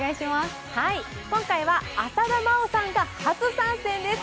今回は浅田真央さんが初参戦です。